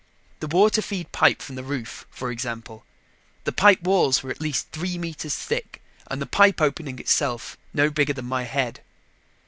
The water feed pipe from the roof, for example. The pipe walls were at least three meters thick and the pipe opening itself no bigger than my head.